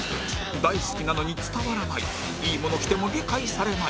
大好きなのに伝わらないいいもの着ても理解されない